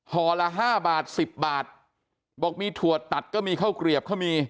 ละห้าบาทสิบบาทบอกมีถั่วตัดก็มีข้าวเกลียบก็มี